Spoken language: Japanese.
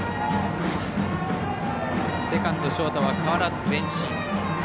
セカンド、ショートは変わらず前進。